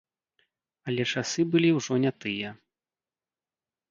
Але часы былі ўжо не тыя.